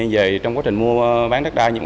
về trong quá trình mua bán đắt đai